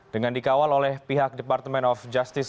dengan dikawal oleh pihak departemen of justice